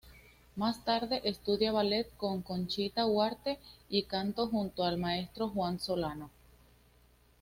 Más tarde estudia ballet con Conchita Huarte y canto junto al maestro Juan Solano.